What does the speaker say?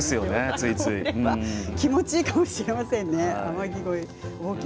気持ちいいかもしれませんね。